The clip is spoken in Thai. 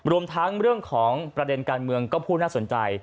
รวมทั้งเรื่องของประเด็นการเมืองก็พูดน่าสนใจ